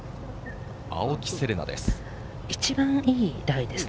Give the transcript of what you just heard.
青木瀬令奈です。